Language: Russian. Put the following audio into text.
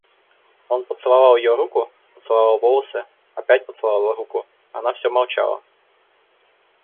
Он поцеловал ее руку, поцеловал волосы, опять поцеловал руку, — она всё молчала.